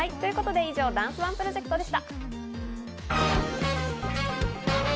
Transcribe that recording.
以上、ダンスＯＮＥプロジェクトでした。